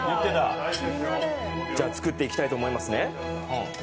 じゃあ、作っていきたいと思います。